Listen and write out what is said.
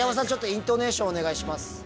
イントネーションお願いします。